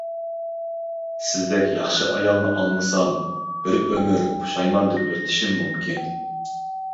سىزدەك ياخشى ئايالنى ئالمىسام بىر ئۆمۈر پۇشايماندا ئۆتىشىم مۇمكىن.